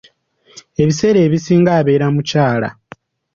Ebiseera ebisinga abeera mukyala.